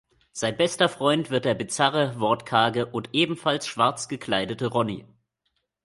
Sein bester Freund wird der bizarre, wortkarge und ebenfalls schwarz gekleidete Ronnie.